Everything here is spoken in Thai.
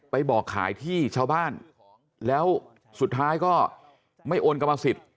ไปบอกขายที่ชาวบ้านแล้วสุดท้ายก็ไม่โอนกรรมสิทธิ์